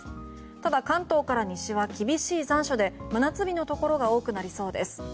ただ関東から西は厳しい残暑で真夏日のところが多くなりそうです。